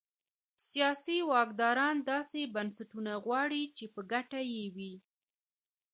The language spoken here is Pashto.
سیاسي واکداران داسې بنسټونه غواړي چې په ګټه یې وي.